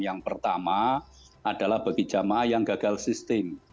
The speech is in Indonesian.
yang pertama adalah bagi jamaah yang gagal sistem